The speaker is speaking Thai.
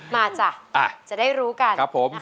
มาจ่ะจะได้รู้กัน